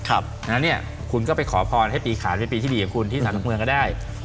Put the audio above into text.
แล้วเนี่ยคุณก็ไปขอภอนให้ปีขาญเป็นปีที่ดีกับคุณที่สาธารณ์ก็ได้